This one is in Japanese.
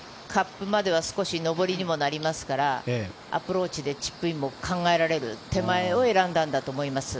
今あたりのほうがカップまでは少し上りにもなりますから、アプローチでチップインも考えられる手前を選んだんだと思います。